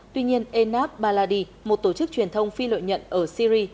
tuy nhiên enab baladi một tổ chức truyền thông phi lợi nhận ở syri